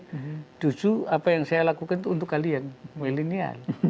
justru apa yang saya lakukan itu untuk kalian milenial